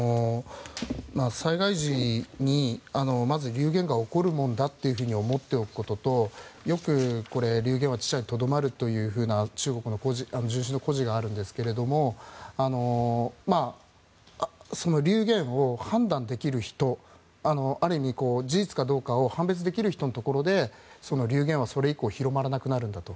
災害時にまず流言が起こるものだと思っておくこととよく流言は智者に止まるという中国の故事があるんですけども流言を判断できる人ある意味、事実かどうかを判別できる人のところで流言はそれ以降広まらなくなるんだと。